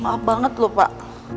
maaf banget lho pak